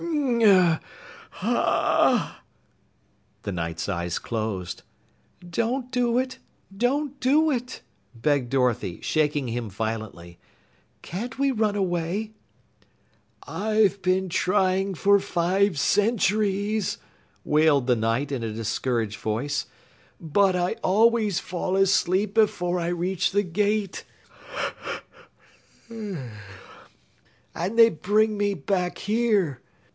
"Hah, hoh, hum! Hah !" The Knight's eyes closed. "Don't do it, don't do it!" begged Dorothy, shaking him violently. "Can't we run away?" "I've been trying for five centuries," wailed the Knight in a discouraged voice, "but I always fall asleep before I reach the gate, and they bring me back here.